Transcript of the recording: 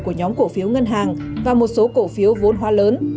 của nhóm cổ phiếu ngân hàng và một số cổ phiếu vốn hoa lớn